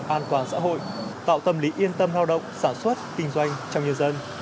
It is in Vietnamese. an toàn xã hội tạo tâm lý yên tâm lao động sản xuất kinh doanh trong nhân dân